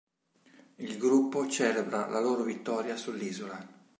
Il gruppo celebra la loro vittoria sull'isola.